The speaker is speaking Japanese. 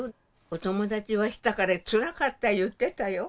お友達はしたからつらかった言ってたよ。